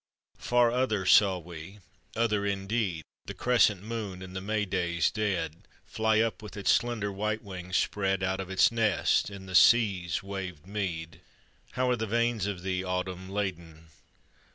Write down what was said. Far other saw we, other indeed, The crescent moon, in the May days dead, Fly up with its slender white wings spread Out of its nest in the sea's waved mead! How are the veins of thee, Autumn, laden?